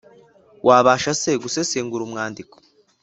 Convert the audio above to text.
wabasha se Gusesengura umwandiko